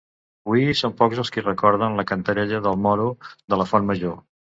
Hui són pocs els qui recorden la contarella del moro de la Font Major.